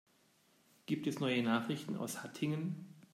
Gibt es neue Nachrichten aus Hattingen?